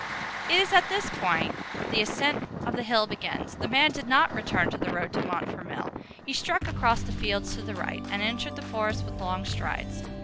It is at this point that the ascent of the hill begins. The man did not return to the road to Montfermeil; he struck across the fields to the right, and entered the forest with long strides.